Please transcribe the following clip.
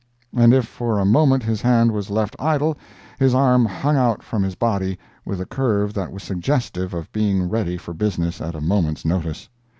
And if for a moment his hand was left idle, his arm hung out from his body with a curve that was suggestive of being ready for business at a moment's notice.